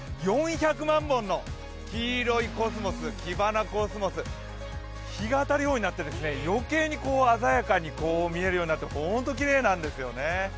４００万本の黄色いコスモスキバナコスモス、日が当たるようになって、よけいに鮮やかに見えるようになって本当にきれいなんですよね。